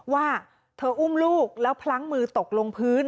ว่าเธออุ้มลูกแล้วพลั้งมือตกลงพื้น